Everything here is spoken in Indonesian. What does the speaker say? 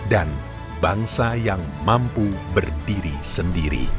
dan bangsa yang mampu berdiri sendiri